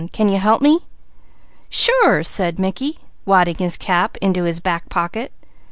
Can you help me?" "Sure!" said Mickey, wadding his cap into his back pocket.